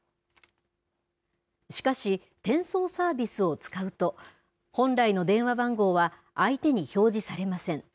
しかし、転送サービスを使うと本来の電話番号は相手に表示されません。